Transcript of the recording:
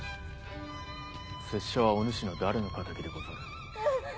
拙者はお主の誰の敵でござる？